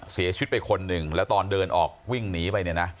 เสียชีวิตไปคนหนึ่งแล้วตอนเดินออกวิ่งหนีไปเนี่ยนะ